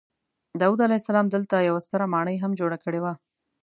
داود علیه السلام دلته یوه ستره ماڼۍ هم جوړه کړې وه.